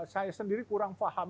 saya sendiri kurang paham